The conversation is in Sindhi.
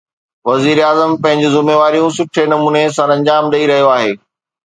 وزيراعظم پنهنجون ذميواريون سٺي نموني سرانجام ڏئي رهيو آهي.